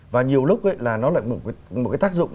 và nhiều lúc ấy là nó lại một cái tác dụng